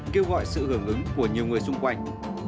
kêu gọi sự hưởng ứng của nhiều người xung quanh